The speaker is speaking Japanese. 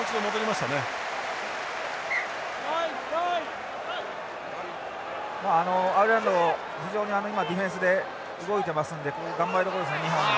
まあアイルランド非常に今ディフェンスで動いていますのでここ頑張りどころですね日本も。